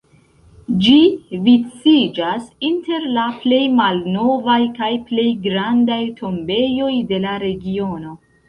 Ĝi viciĝas inter la plej malnovaj kaj plej grandaj tombejoj de la regiono.